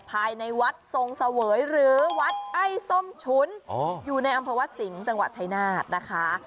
ภายในวัดทรงเสวยหรือวัดไอ้ส้มฉุนอยู่ในอำเภอวัดสิงห์จังหวัดชายนาฏนะคะ